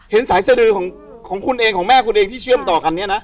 สายสดือของคุณเองของแม่คุณเองที่เชื่อมต่อกันเนี่ยนะ